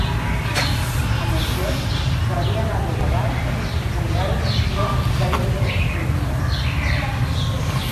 Amb el temps s'havia anat degradant fins a arribar a un extrem gairebé ruïnós.